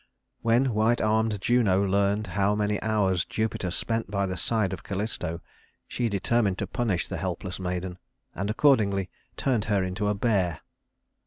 When white armed Juno learned how many hours Jupiter spent by the side of Callisto, she determined to punish the helpless maiden, and accordingly turned her into a bear.